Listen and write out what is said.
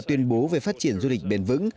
tuyên bố về phát triển du lịch bền vững